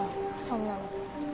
そんなの。